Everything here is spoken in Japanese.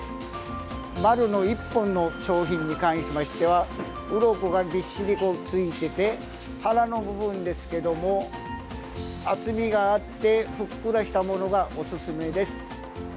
丸の１本の商品に関しましてはうろこがぎっしりとついていて腹の部分ですけども厚みがあってふっくらしたものがおすすめです。